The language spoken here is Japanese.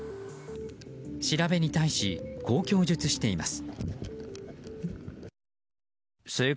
調べに対し、こう供述しています。